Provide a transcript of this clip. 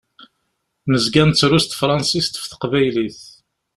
Nezga nettru s tefransist ɣef teqbaylit.